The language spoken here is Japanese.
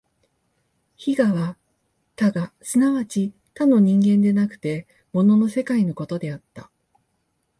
非我は他我即ち他の人間でなくて物の世界のことであった。